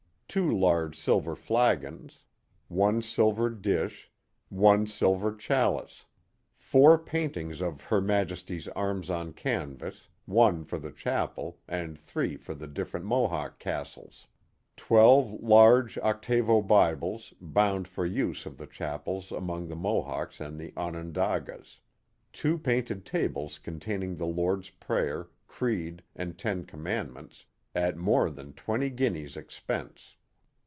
Two large silver flagons. One silver dish. One silver chalice. Four paintings of Her Majesty's arms on canvas, one for the chapel and three for the different Mohawk castles. Twelve large octavo Bibles bound for use of the chapels among the Mohawks and Onondagas. Two painted tables containing the Lord's Prayer, Creed, and Ten Commandments, at more than twenty guineas expense."